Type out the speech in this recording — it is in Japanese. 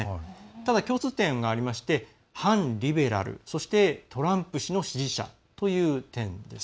ただ共通点がありまして反リベラルそして、トランプ氏の支持者という点です。